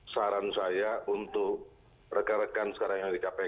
saran saya untuk rekan rekan sekarang yang ada di kpk